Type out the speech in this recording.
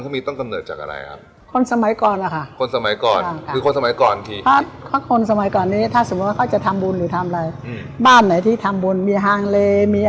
มีอะไรพวกนี้เขาก็จะถือว่าทำได้เยี่ยม